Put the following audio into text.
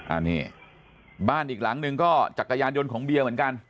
อันนี้บ้านอีกหลังหนึ่งก็จักรยานยนต์ของเบียร์เหมือนกัน